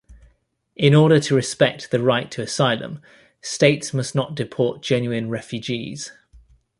In order to respect the right to asylum states must not deport genuine refugees.